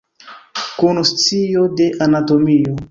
Kun scio de anatomio.